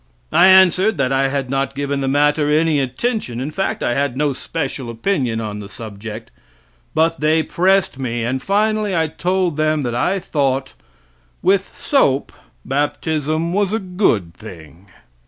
I answered that I had not given the matter any attention, in fact I had no special opinion upon the subject. But they pressed me and finally I told them that I thought, with soap baptism was a good thing.